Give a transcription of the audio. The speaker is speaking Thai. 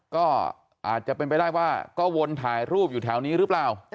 ก็อาจจะเป็นไปได้ว่าก็วนถ่ายรูปอยู่แถวนี้หรือเปล่า